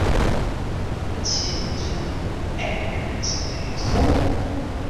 It sin is fan 'e moarn ek wer net sa bêst, wol?